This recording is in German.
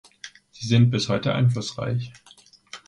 Sie sind bis heute einflussreich.